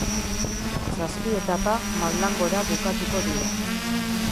Zazpi etapa maldan gora bukatuko dira.